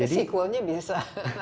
itu sequelnya biasa